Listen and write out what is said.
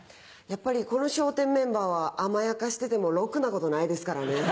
やっぱりこの笑点メンバーは甘やかしててもろくなことないですからね。